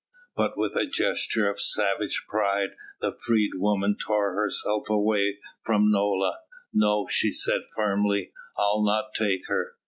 But with a gesture of savage pride the freedwoman tore herself away from Nola. "No!" she said firmly, "I'll not take her.